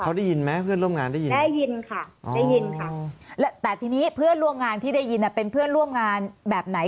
เขาได้ยินไหมเพื่อนร่วมงานได้ยินได้ยินค่ะได้ยินค่ะแต่ทีนี้เพื่อนร่วมงานที่ได้ยินเป็นเพื่อนร่วมงานแบบไหน